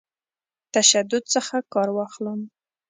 تشدد څخه کار واخلم.